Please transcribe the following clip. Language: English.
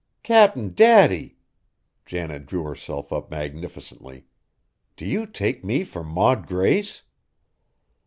"Cap'n Daddy!" Janet drew herself up magnificently. "Do you take me for Maud Grace?"